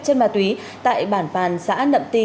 chân ma túy tại bản bàn xã nậm ti